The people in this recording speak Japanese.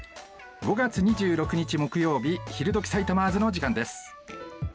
５月２６日木曜日「ひるどき！さいたまず」の時間です。